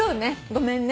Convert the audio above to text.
ごめんね。